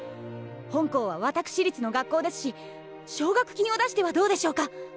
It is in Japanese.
本校は私立の学校ですし奨学金を出してはどうでしょうか？